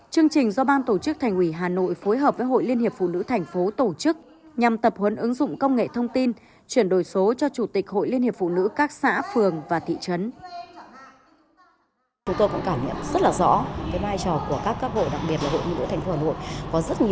chương trình do ban tổ chức thành ủy hà nội phối hợp với hội liên hiệp phụ nữ thành phố tổ chức nhằm tập huấn ứng dụng công nghệ thông tin chuyển đổi số cho chủ tịch hội liên hiệp phụ nữ các xã phường và thị trấn